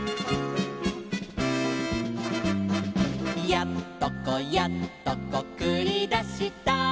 「やっとこやっとこくりだした」